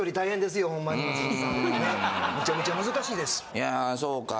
いやそうか。